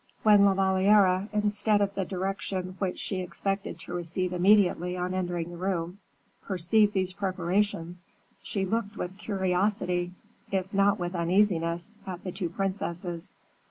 When La Valliere, instead of the direction which she expected to receive immediately on entering the room, perceived these preparations, she looked with curiosity, if not with uneasiness, at the two princesses.